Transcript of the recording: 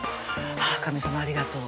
ああ神さまありがとう